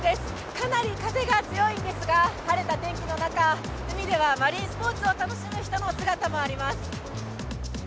かなり風が強いんですが、晴れた天気の中、海ではマリンスポーツを楽しむ人の姿もあります。